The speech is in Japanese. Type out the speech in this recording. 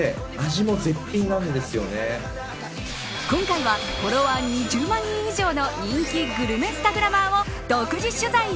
今回はフォロワー２０万人以上の人気グルメスタグラマーを独自取材。